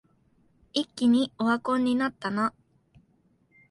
一気にオワコンになったな